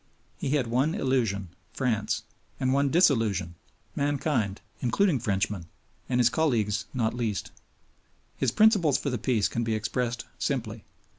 He had one illusion France; and one disillusion mankind, including Frenchmen, and his colleagues not least. His principles for the peace can be expressed simply.